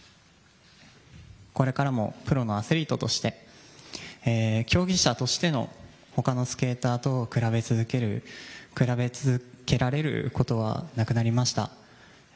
これからもプロのアスリートとして競技者としてほかのスケーターと比べ続けられることはなくなりました。